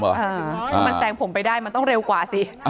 ถ้ามันแซงผมไปได้มันต้องเร็วกว่าสิ